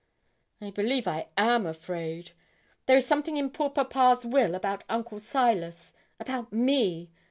'I believe I am afraid. There is something in poor papa's will about Uncle Silas about me.